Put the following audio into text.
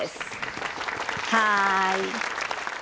はい。